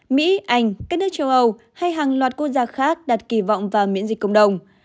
mỹ anh các nước châu âu hay hàng loạt quốc gia khác đặt kỳ vọng vào miễn dịch cộng đồng